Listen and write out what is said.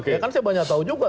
ya kan saya banyak tahu juga